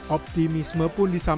optimisme pun disampaikan